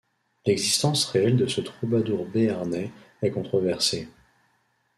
L'existence réelle de ce troubadour béarnais est controversée.